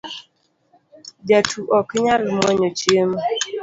Jatu ok nyal mwonyo chiemo